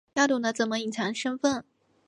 要懂得怎么隐藏身份